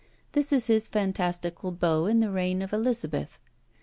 This is his fantastical beau in the reign of Elizabeth.